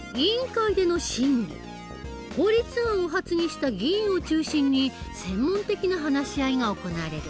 法律案を発議した議員を中心に専門的な話し合いが行われる。